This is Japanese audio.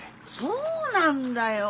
そうなんだよ。